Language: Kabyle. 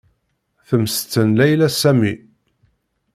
Temmesten Layla Sami.